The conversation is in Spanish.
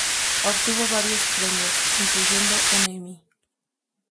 Obtuvo varios premios, incluyendo un Emmy.